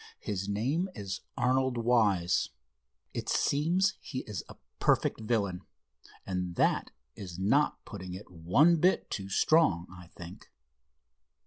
His name is Arnold Wise. It seems he is a perfect villain, and that is not putting it one bit too strong, I think."